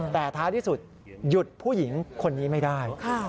แต่ท้ายที่สุดหยุดผู้หญิงคนนี้ไม่ได้